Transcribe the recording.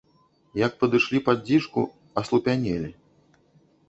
Як падышлі пад дзічку, аслупянелі.